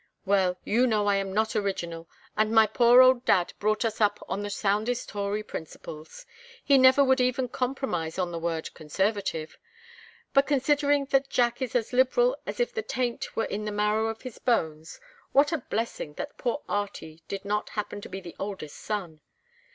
"Well, you know I am not original, and my poor old dad brought us up on the soundest Tory principles; he never would even compromise on the word Conservative. But considering that Jack is as Liberal as if the taint were in the marrow of his bones, what a blessing that poor Artie did not happen to be the oldest son.